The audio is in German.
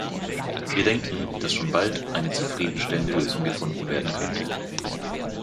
Wir denken, dass schon bald eine zufriedenstellende Lösung gefunden werden könnte.